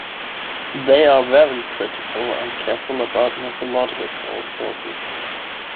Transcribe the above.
They are very critical and careful about mythological sources.